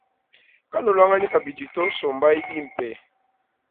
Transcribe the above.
Kanuluanganyi kabidi to sombayi bimpe.